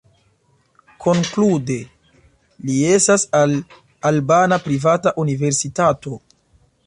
Konklude, li jesas al albana privata universitato.